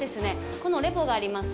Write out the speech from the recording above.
このレヴォがあります